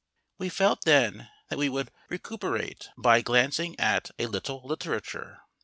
We felt then that we would recuperate by glancing at a little literature.